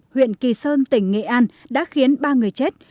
huyện kỳ sơn tỉnh nghệ an đã khiến ba người chết